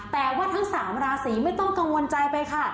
แต่ว่าทั้ง๓ราศีไม่ต้องกังวลใจไปค่ะ